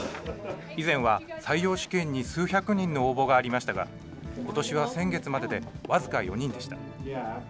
以前は採用試験に数百人の応募がありましたが、ことしは先月までで僅か４人でした。